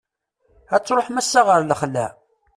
Ad truḥem ass-a ɣer lexla?